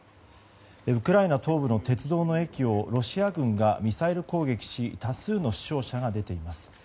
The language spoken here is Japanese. ウクライナ東部の鉄道の駅をロシア軍がミサイル攻撃し多数の死傷者が出ています。